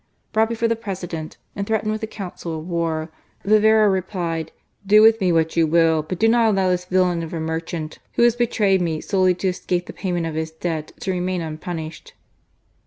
Brought before the President, and threatened with a council of war, Vivero replied: "Do with me what you will ; but do not allow this villain of a merchant, who has betrayed me solely to escape the payment of his debt, to remain unpunished."